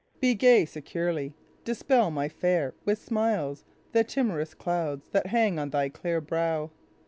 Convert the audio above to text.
"Be gay securely; Dispel, my fair, with smiles, the tim'rous clouds, That hang on thy clear brow."